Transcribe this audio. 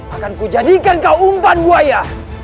akanku jadikan kau umpan buaya